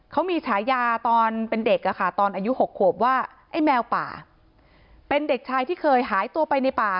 เขามีฉายาตอนเป็นเด็กค่ะตอนอายุ๖ครบว่าไอ้แมวป่า